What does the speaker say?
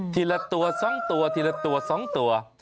ทีละตัวสองตัวทีละตัวสองตัว